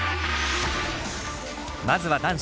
まずは男子。